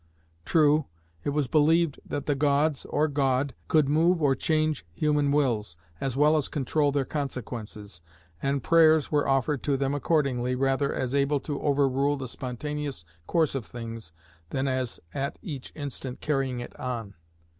True, it was believed that the gods, or God, could move or change human wills, as well as control their consequences, and prayers were offered to them accordingly, rather as able to overrule the spontaneous course of things, than as at each instant carrying it on.